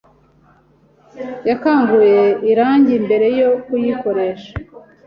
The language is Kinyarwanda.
Yakanguye irangi mbere yo kuyikoresha.